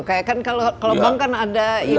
kayak kan kalau bank kan ada